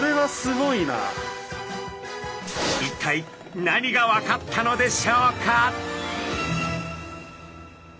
一体何が分かったのでしょうか？